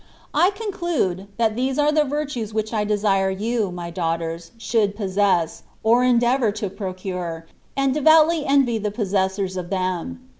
I conclude, that these are the virtues which I desire you, my daughters, should possess, or en deavour to procure, and devoutly envy the pos sessors of them.